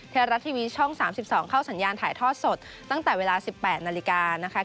ไทยรัฐทีวีช่อง๓๒เข้าสัญญาณถ่ายทอดสดตั้งแต่เวลา๑๘นาฬิกานะคะ